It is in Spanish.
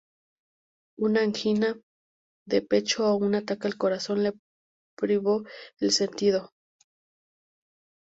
Una angina de pecho o un ataque al corazón le privó del sentido.